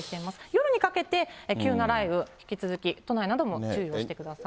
夜にかけて急な雷雨、引き続き、都内なども注意をしてください。